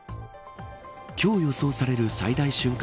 今日予想される最大瞬間